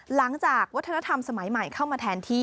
หลังจากวัฒนธรรมสมัยใหม่เข้ามาแทนที่